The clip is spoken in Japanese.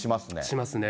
しますね。